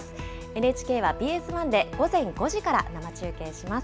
ＮＨＫはＢＳ１で午前５時から生中継します。